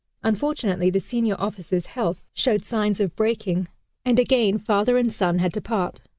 Unfortunately the senior officer's health showed signs of breaking and again father and son had to part.